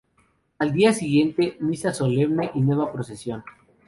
Al día siguiente misa solemne y nueva procesión.